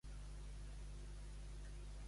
De consciència estreta.